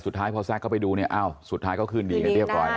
สุดท้ายพอแซ่งเข้าไปดูสุดท้ายก็ขึ้นดีกันเรียบร้อย